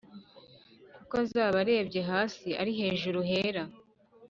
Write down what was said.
kuko azaba arebye hasi ari hejuru hera